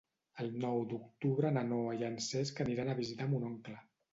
El nou d'octubre na Noa i en Cesc aniran a visitar mon oncle.